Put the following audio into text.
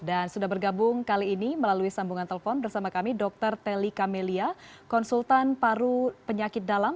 dan sudah bergabung kali ini melalui sambungan telpon bersama kami dr telly kamelia konsultan paru penyakit dalam